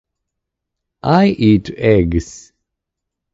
I eat eggs.